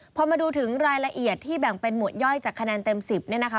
พอมาดูถึงรายละเอียดที่แบ่งเป็นหวดย่อยจากคะแนนเต็ม๑๐เนี่ยนะคะ